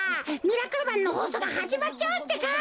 「ミラクルマン」のほうそうがはじまっちゃうってか。